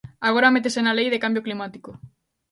Agora métese na Lei de cambio climático.